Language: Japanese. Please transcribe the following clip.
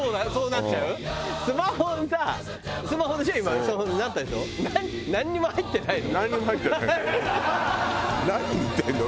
なんにも入ってないの。